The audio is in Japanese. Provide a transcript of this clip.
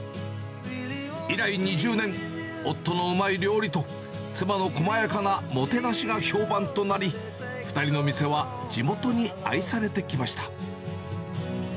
以来２０年、夫のうまい料理と、妻の細やかなもてなしが評判となり、２人の店は地元に愛されてきました。